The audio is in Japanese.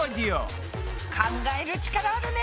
考える力あるね。